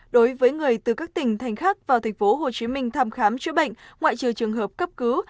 đối với người từ các tỉnh thành khác vào tp hcm thăm khám chữa bệnh ngoại trừ trường hợp cấp cứu